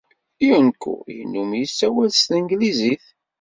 Junko yennum yessawal s tanglizit.